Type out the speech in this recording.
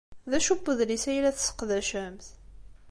D acu n udlis ay la tesseqdacemt?